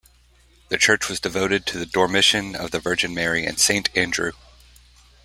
The church was devoted to the Dormition of the Virgin Mary and Saint Andrew.